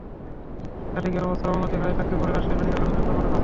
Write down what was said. সাদিকের অবস্থার অবনতি হওয়ায় তাকে পরে রাজশাহী মেডিকেল কলেজ হাসপাতালে পাঠানো হয়।